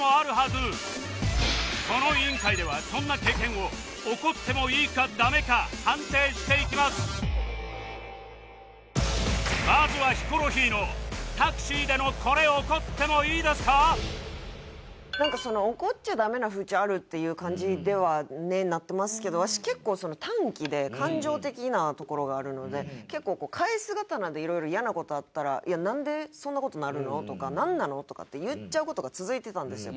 この委員会ではまずはヒコロヒーのなんかその怒っちゃダメな風潮あるっていう感じではなってますけどわし結構短気で感情的なところがあるので結構返す刀で色々嫌な事あったらなんでそんな事なるの？とかなんなの？とかって言っちゃう事が続いてたんですよ。